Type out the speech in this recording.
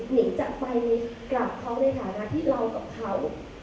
นิงจะไปกลับเขาในฐานะที่เรากับเขา